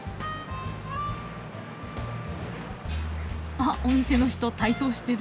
あっお店の人体操してる。